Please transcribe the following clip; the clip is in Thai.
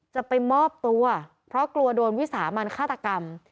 จะไปมอบตัวเพราะกลัวโดนวิสามันฆาตกรรม